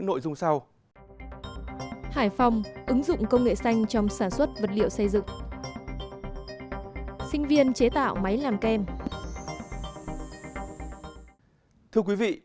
sinh viên chế tạo máy làm kem